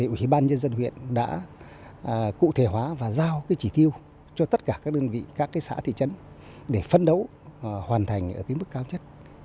ủy ban nhân dân huyện đã cụ thể hóa và giao chỉ tiêu cho tất cả các đơn vị các xã thị trấn để phấn đấu hoàn thành ở mức cao nhất